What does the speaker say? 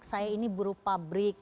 saya ini buru pabrik